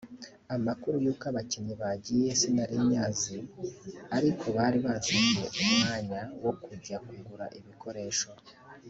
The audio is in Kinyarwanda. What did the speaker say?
amakuru y’uko abakinnyi bagiye sinari nyazi ariko bari basabye umwanya wo kujya kugura ibikoresho